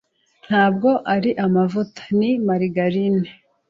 Ntabwo ari amavuta. Ni margarine.